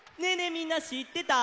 みんなしってた？